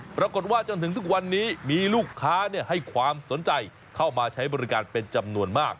จนถึงทุกวันนี้มีลูกค้าให้ความสนใจเข้ามาใช้บริการเป็นจำนวนมาก